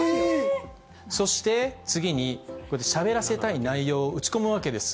そして次に、こうやってしゃべらせたい内容を打ち込むわけです。